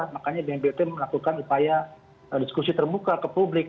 makanya bnpt melakukan upaya diskusi terbuka ke publik